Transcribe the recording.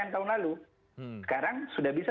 sembilan tahun lalu sekarang sudah bisa